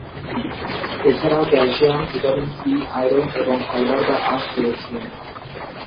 এছাড়াও calcium, vitamin C, iron এবং fibre বা আঁশ রয়েছে।